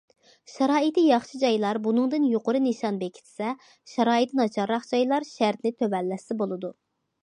شارائىتى ياخشى جايلار بۇنىڭدىن يۇقىرى نىشان بېكىتسە، شارائىتى ناچارراق جايلار شەرتنى تۆۋەنلەتسە بولىدۇ.